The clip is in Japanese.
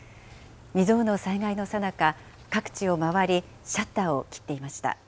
未曽有の災害のさなか、各地を回り、シャッターを切っていました。